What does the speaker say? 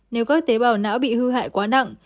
nếu các tế bào não bị hư hại quá nặng